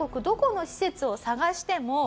どこの施設を探しても。